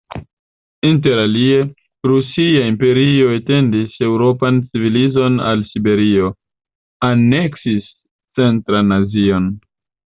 Interalie, Rusia Imperio etendis eŭropan civilizon al Siberio, aneksis centran Azion.